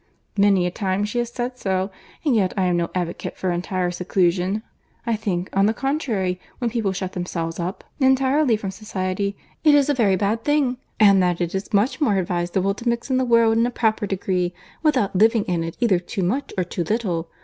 Many a time has she said so; and yet I am no advocate for entire seclusion. I think, on the contrary, when people shut themselves up entirely from society, it is a very bad thing; and that it is much more advisable to mix in the world in a proper degree, without living in it either too much or too little.